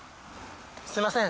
すみません。